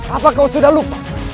apa kau sudah lupa